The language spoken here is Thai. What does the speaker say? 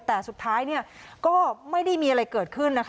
แต่สุดท้ายก็ไม่ได้มีอะไรเกิดขึ้น